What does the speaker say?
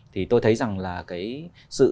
thì tôi thấy rằng là cái sự